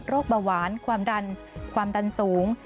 เบาหวานความดันความดันสูง